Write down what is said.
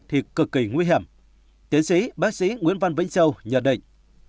thì cực kỳ nguy hiểm tiến sĩ bác sĩ nguyễn văn vĩnh châu nhận định